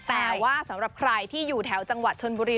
แต่ว่าสำหรับใครที่อยู่แถวจังหวัดชนบุรี